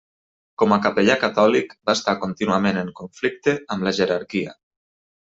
Com a capellà catòlic, va estar contínuament en conflicte amb la jerarquia.